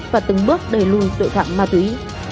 và từng bước đẩy lùi tội phạm ma túy